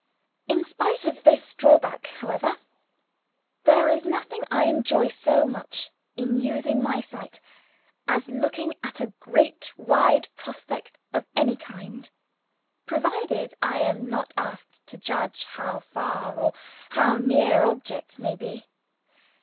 In spite of this drawback, however, there is nothing I enjoy so much in using my sight as looking at a great wide prospect of any kind provided I am not asked to judge how far or how near objects may be.